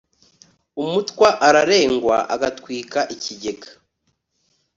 umutwa ararengwa agatwika ikigega